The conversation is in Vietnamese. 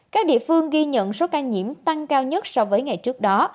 các địa phương ghi nhận số ca nhiễm giảm nhiều nhất so với ngày trước đó